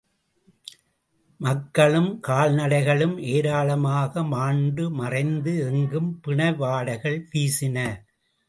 மக்களும், கால்நடைகளும் ஏராளமாக மாண்டு மறைந்து, எங்கும் பிணவாடைகள் வீசின.